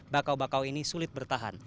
bakau bakau ini sulit bertahan